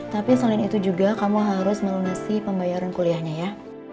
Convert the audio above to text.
tapi selain itu juga kamu harus melunasi pembayaran kuliahnya ya